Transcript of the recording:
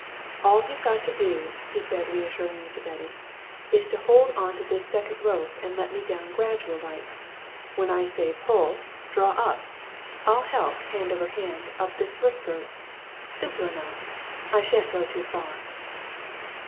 "All you've got to do," he said reassuringly to Betty, "is to hold on to this second rope and let me down, gradual like. When I say 'Pull,' draw up I'll help, hand over hand, up this first rope. Simple enough! and I shan't go too far."